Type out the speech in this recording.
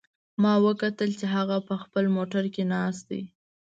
ما وکتل چې هغه په خپل موټر کې ناست ده